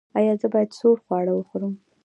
ایا زه باید سوړ خواړه وخورم؟